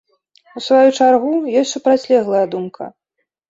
У сваю чаргу, ёсць супрацьлеглая думка.